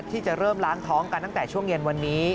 ที่จะเริ่มล้างท้องกันตั้งแต่ช่วงเย็นวันนี้